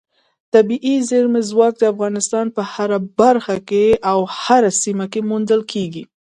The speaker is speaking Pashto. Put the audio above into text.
طبیعي لمریز ځواک د افغانستان په هره برخه او هره سیمه کې موندل کېږي.